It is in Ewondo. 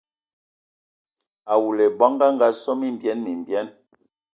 Awulu ai bɔngɔ anga sɔ mimbean mimbean.